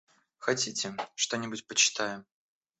Хотите, что-нибудь почитаем?